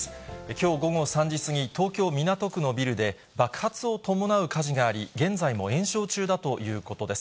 きょう午後３時過ぎ、東京・港区のビルで爆発を伴う火事があり、現在も延焼中だということです。